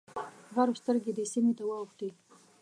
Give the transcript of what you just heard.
غرب سترګې دې سیمې ته واوښتې.